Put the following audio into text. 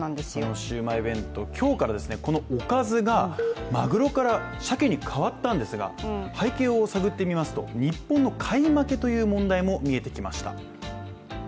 シウマイ弁当、今日から、このおかずがまぐろからしゃけに変わったんですが背景を探ってみますと日本の買い負けという問題も見えてきました。